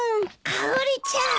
かおりちゃん。